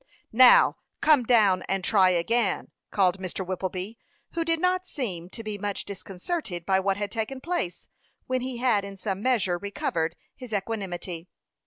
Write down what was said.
"Now, come down, and try again," called Mr. Whippleby, who did not seem to be much disconcerted by what had taken place, when he had in some measure recovered his equanimity.